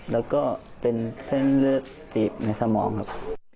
แล้วก็เป็นเส้นเลือดตีบในสมองครับ